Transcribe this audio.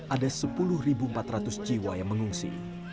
ada sepuluh empat ratus jiwa yang mengungsi